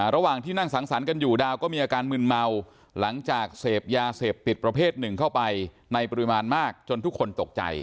ระหว่างที่นั่งสังสรรค์กันอยู่ดาวก็มีอาการมึนเมาหลังจากเสพยาเสพติดประเภทหนึ่งเข้าไปในปริมาณมากจนทุกคนตกใจ